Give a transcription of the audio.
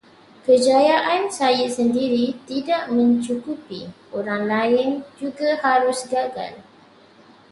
Kejayaan saya sendiri tidak mencukupi, orang lain juga harus gagal.